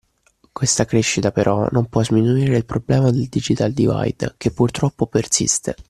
Questa crescita però non può sminuire il problema del “Digital divide” che purtroppo persiste